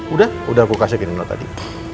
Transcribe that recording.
udah udah aku kasih ke nino tadi